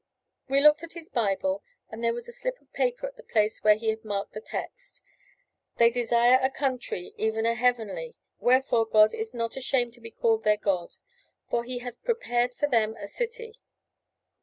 We looked in his Bible, and there was a slip of paper at the place where he had marked the text "They desire a country, even a heavenly: wherefore God is not ashamed to be called their God: for He hath prepared for them a city."